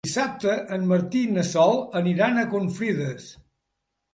Dissabte en Martí i na Sol aniran a Confrides.